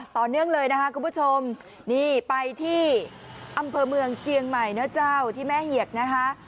ต่อเนื่องเลยนะคะคุณผู้ชมนี่ไปที่อำเภอเมืองเจียงใหม่นะเจ้าที่แม่เหียกนะคะ